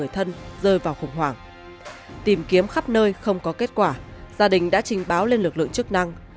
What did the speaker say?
tìm kiếm khắp nơi không có kết quả gia đình đã trình báo lên lực lượng chức năng